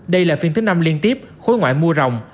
đây là phiên thứ năm liên tiếp khối ngoại mua rồng